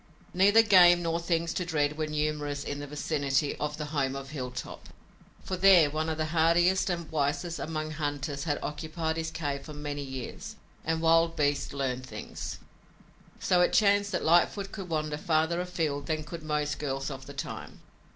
Neither game nor things to dread were numerous in the vicinity of the home of Hilltop, for there one of the hardiest and wisest among hunters had occupied his cave for many years, and wild beasts learn things. So it chanced that Lightfoot could wander farther afield than could most girls of the time.